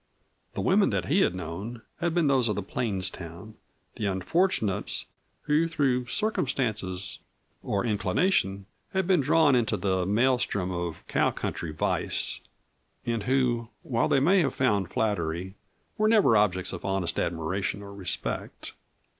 The women that he had known had been those of the plains town the unfortunates who through circumstances or inclination had been drawn into the maelstrom of cow country vice, and who, while they may have found flattery, were never objects of honest admiration or respect.